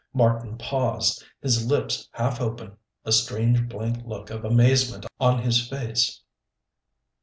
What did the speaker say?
Marten paused, his lips half open, a strange, blank look of amazement on his face.